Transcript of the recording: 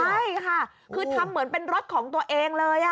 ใช่ค่ะคือทำเหมือนเป็นรถของตัวเองเลย